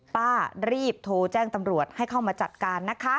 ป้ารีบโทรแจ้งตำรวจให้เข้ามาจัดการนะคะ